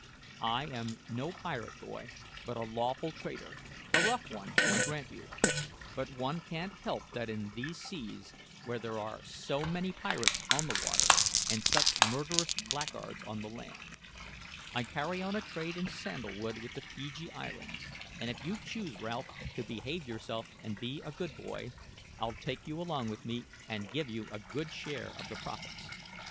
I am no pirate, boy, but a lawful trader a rough one, I grant you; but one can't help that in these seas, where there are so many pirates on the water and such murderous blackguards on the land. I carry on a trade in sandal wood with the Feejee Islands; and if you choose, Ralph, to behave yourself and be a good boy, I'll take you along with me and give you a good share of the profits.